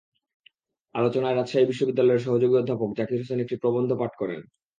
আলোচনায় রাজশাহী বিশ্ববিদ্যালয়ের সহযোগী অধ্যাপক জাকির হোসেন একটি প্রবন্ধ পাঠ করেন।